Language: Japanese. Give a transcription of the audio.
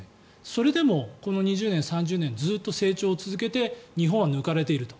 それでもこの２０年、３０年ずっと成長を続けて日本は抜かれていると。